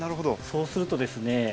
そうするとですね